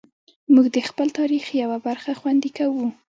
موږ د خپل تاریخ یوه برخه خوندي کوو.